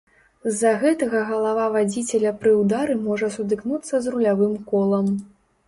З-за гэтага галава вадзіцеля пры ўдары можа сутыкнуцца з рулявым колам.